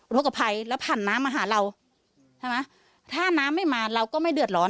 แล้วประชาชนก็เดือดร้อน